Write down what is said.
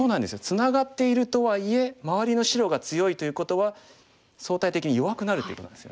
ツナがっているとはいえ周りの白が強いということは相対的に弱くなるっていうことなんですよね。